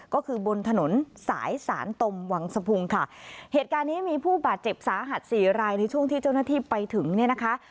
ก็คือบนถนนสายสารตมวังสะพุงค่ะเหตุการณ์นี้มีผู้บาดเจ็บสาหัสสี่รายในช่วงที่เจ้าหน้าที่ไปถึงเนี่ยนะคะ